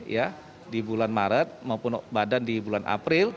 ya di bulan maret maupun badan di bulan april